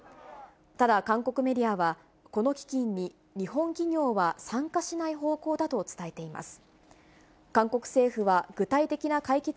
ただ、韓国メディアは、この基金に日本企業は参加しない方向だと伝えています。